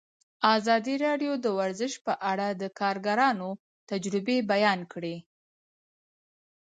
ازادي راډیو د ورزش په اړه د کارګرانو تجربې بیان کړي.